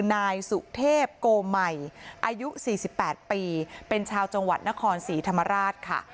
นายสุเทพโกมัยอายุ๔๘ปีเป็นชาวจังหวัดนครศรีธรรมราชค่ะ